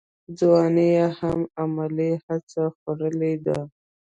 ځواني یې هم علمي هڅو خوړلې ده.